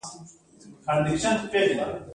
سوالګر له دنیا نه نا امیده نه دی